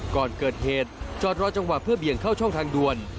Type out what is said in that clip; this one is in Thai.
ก่อนเกิดเหตุจอดรอจังหวะเพื่อเบี่ยงเข้าช่องทางด่วน